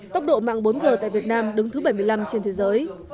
tốc độ mạng bốn g tại việt nam đứng thứ bảy mươi năm trên thế giới